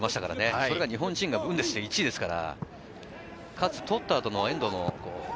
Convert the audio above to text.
それが日本人がブンデスで１位ですから。